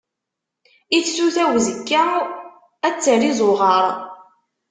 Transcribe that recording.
i tsuta uzekka, ad terr izuɣaṛ.